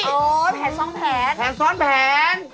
โอ้โฮแผนซ้อนแผนแผนซ้อนแผน